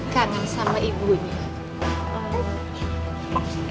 kami sama ibunya